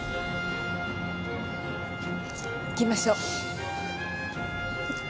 行きましょう。